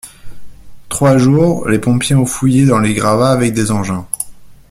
Trois jours, les pompiers ont fouillé dans les gravats, avec des engins